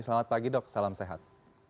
selamat pagi dok salam sehat